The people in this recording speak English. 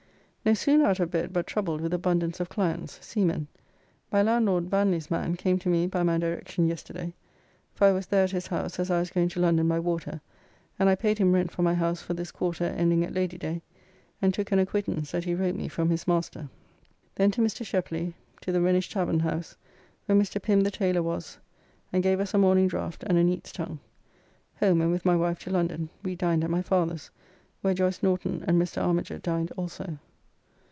No sooner out of bed but troubled with abundance of clients, seamen. My landlord Vanly's man came to me by my direction yesterday, for I was there at his house as I was going to London by water, and I paid him rent for my house for this quarter ending at Lady day, and took an acquittance that he wrote me from his master. Then to Mr. Sheply, to the Rhenish Tavern House, where Mr. Pim, the tailor, was, and gave us a morning draft and a neat's tongue. Home and with my wife to London, we dined at my father's, where Joyce Norton and Mr. Armiger dined also.